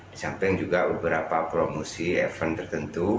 disamping juga beberapa promosi event tertentu